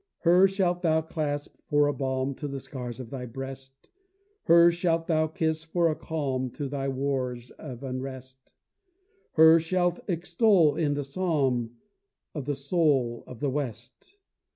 Her shalt thou clasp for a balm to the scars of thy breast, Her shalt thou kiss for a calm to thy wars of unrest, Her shalt extol in the psalm of the soul of the West.